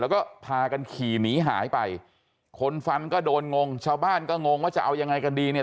แล้วก็พากันขี่หนีหายไปคนฟันก็โดนงงชาวบ้านก็งงว่าจะเอายังไงกันดีเนี่ย